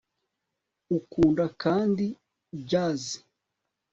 ukunda kandi jazz